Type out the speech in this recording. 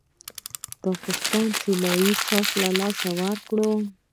پاکستان ته طلايي چانس په لاس ورکړ.